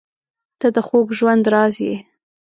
• ته د خوږ ژوند راز یې.